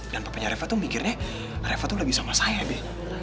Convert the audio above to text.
dan papanya reva tuh mikirnya reva tuh lagi sama saya be